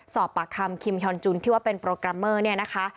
สอบปากคำคิมฮอนจุนที่ว่าเป็นโปรแกรมเมอร์เนี่ยนะคะ